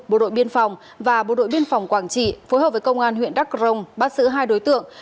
bộ đội biên phòng và bộ đội biên phòng quảng trị phối hợp với công an huyện đắk crong bắt giữ hai đối tượng